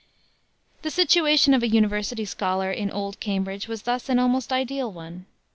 The situation of a university scholar in old Cambridge was thus an almost ideal one.